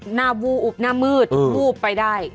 หน้าวูบอุบหน้ามืดวูบไปได้